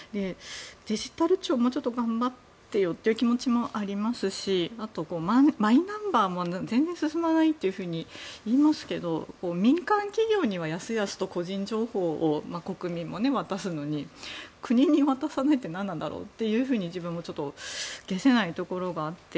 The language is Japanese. デジタル庁、もうちょっと頑張ってよって気持ちもありますし、あとマイナンバーも全然進まないと言いますけど民間企業にはやすやすと国民も個人情報を渡すのに国に渡さないって何なんだろうって自分もちょっと解せないところがあって。